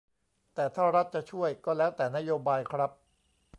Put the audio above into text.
แต่ถ้ารัฐจะช่วย ก็แล้วแต่นโยบายครับ